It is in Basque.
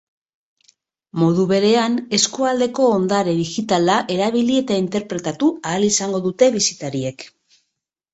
Modu berean, eskualdeko ondare digitala erabili eta interpretatu ahal izango dute bisitariek.